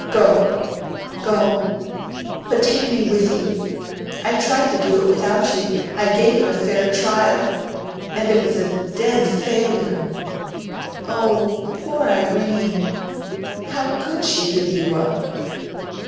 Go, go! But take me with you! I tried to do without you! I gave it a fair trial, and it was a dead failure. O poor Irene! How could she give you up?"